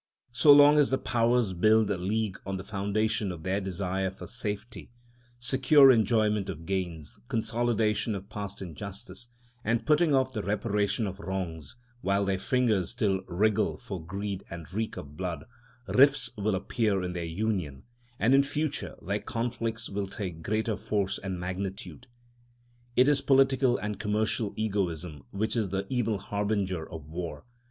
So long as the powers build a league on the foundation of their desire for safety, secure enjoyment of gains, consolidation of past injustice, and putting off the reparation of wrongs, while their fingers still wriggle for greed and reek of blood, rifts will appear in their union; and in future their conflicts will take greater force and magnitude. It is political and commercial egoism which is the evil harbinger of war.